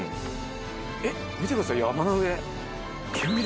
えっ見てください。